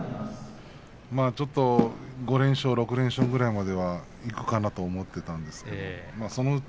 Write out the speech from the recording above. ５連勝、６連勝ぐらいまではいくかなと思ってたんですがね。